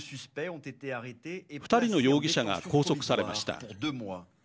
２人の容疑者が拘束されました。